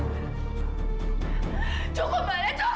cukup mbak alia cukup